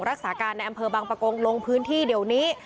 รักษาการในอำเภอบางประกงลงพื้นที่เดี๋ยวนี้